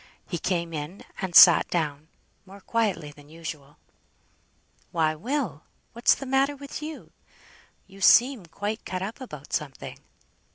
He came in, and sat down, more quietly than usual. "Why, Will! what's the matter with you? You seem quite cut up about something!"